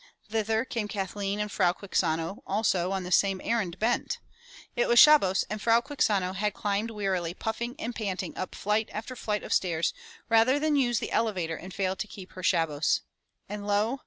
Thither came Kathleen and Frau Quixano, also, on the same errand bent. It was Shabbos and Frau Quixano had climbed wearily puffing and panting up flight after flight of stairs rather than use the elevator and fail to keep her Shabbos. And lo!